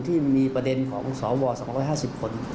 ที่มีประเด็นของสว๒๕๐คน